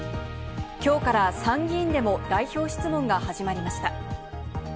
きょうから参議院でも代表質問が始まりました。